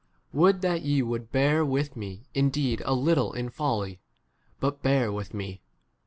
Would that ye would bear with ine indeed a little [in] folly ; 2 but£ bear with me.